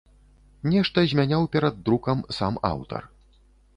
Нешта змяняў перад друкам сам аўтар.